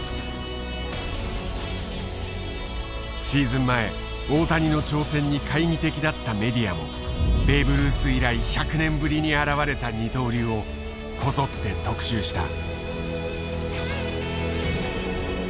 シーズン前大谷の挑戦に懐疑的だったメディアもベーブ・ルース以来１００年ぶりに現れた二刀流をこぞって特集した。